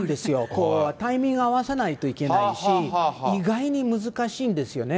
これはタイミング合わせないといけないし、意外に難しいんですよね。